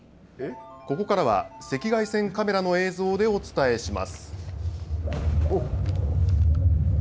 ここからは赤外線カメラの映像でお伝えします。